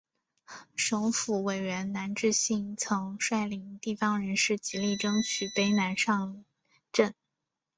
省府委员南志信曾率领地方人士极力争取卑南上圳。